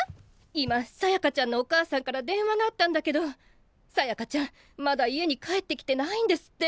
今さやかちゃんのお母さんから電話があったんだけどさやかちゃんまだ家に帰ってきてないんですって。